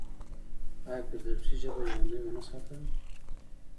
آیا فردوسي ژبه ژوندۍ ونه ساتله؟